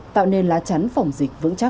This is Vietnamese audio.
tạo nên lá chắn phòng dịch vững chắc